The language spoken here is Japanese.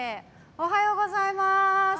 おはようございます！